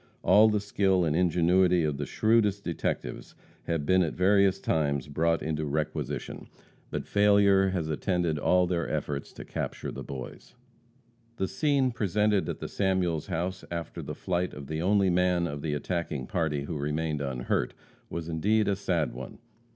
All the skill and ingenuity of the shrewdest detectives have been at various times brought into requisition, but failure has attended all their efforts to capture the boys. The scene presented at the Samuels house, after the flight of the only man of the attacking party who remained unhurt, was indeed a sad one.